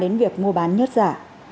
đến việc mua bán nhớt giả